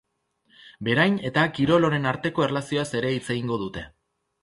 Berain eta kirol honen arteko erlazioaz ere hitz egingo dute.